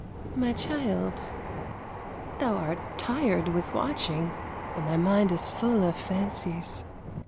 " My child, thou art tired with watching, and thy mind is full of fancies.